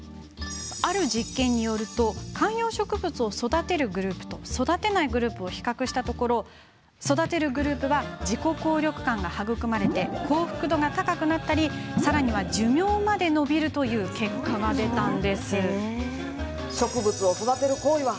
ある実験によると観葉植物を育てるグループと育てないグループを比較したところ育てるグループは自己効力感が育まれて幸福度が高くなったりさらには、寿命まで延びるという結果が出たんです。